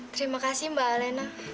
terima kasih mbak alena